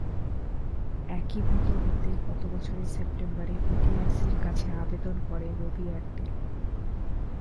একীভূত হতে গত বছরের সেপ্টেম্বরে বিটিআরসির কাছে আবেদন করে রবি এয়ারটেল।